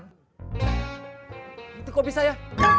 gitu kok bisa ya